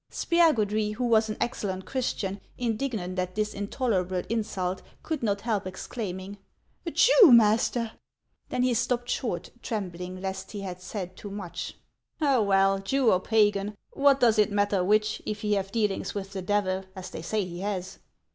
160 HANS OF ICELAND. Spiagudry, who was an excellent Christian, indignant at this intolerable insult, could not help exclaiming, " Jew, master !" Then he stopped short, trembling lest he had said too much. " Well, Jew or Pagan, what does it matter which, if he have dealings with the Devil, as they say he has